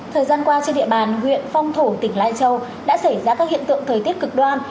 thời gian qua trên địa bàn huyện phong thổ tỉnh lai châu đã xảy ra các hiện tượng thời tiết cực đoan